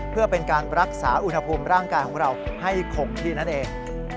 เพื่อเป็นการรักษาอุณหภูมิร่างกายของเราให้คงที่นั่นเอง